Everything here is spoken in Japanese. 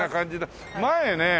前ね